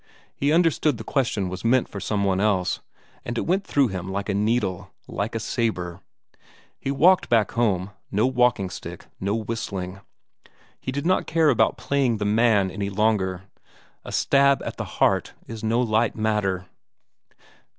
he understood the question was meant for some one else, and it went through him like a needle; like a sabre. He walked back home no walking stick, no whistling. He did not care about playing the man any longer. A stab at the heart is no light matter.